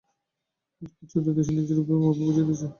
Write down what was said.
আজ পাশ্চাত্য দেশ নিজের অভাব বুঝিতেছে।